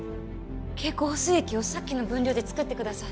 経口補水液をさっきの分量で作ってください